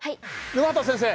沼畑先生。